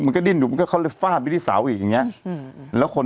มันก็ดิ้นอยู่มันก็เขาเลยฟาดไปที่เสาอีกอย่างเงี้แล้วคน